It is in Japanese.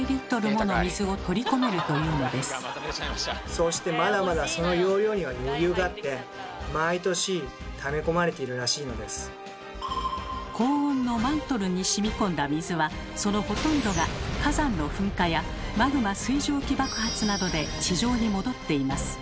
そしてまだまだ高温のマントルにしみこんだ水はそのほとんどが火山の噴火やマグマ水蒸気爆発などで地上に戻っています。